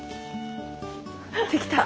できた！